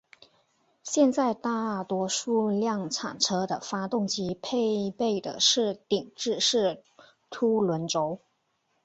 现在大多数量产车的发动机配备的是顶置式凸轮轴。